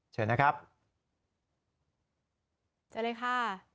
เชิญนะครับเชิญเลยค่ะ